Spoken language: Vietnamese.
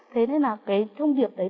thế nên là cái thông điệp đấy